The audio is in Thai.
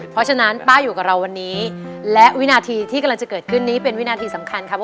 เพราะฉะนั้นป้าอยู่กับเราวันนี้และวินาทีที่กำลังจะเกิดขึ้นนี้เป็นวินาทีสำคัญครับ